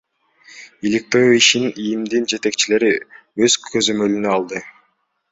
Иликтөө ишин ИИМдин жетекчилиги өз көзөмөлүнө алды.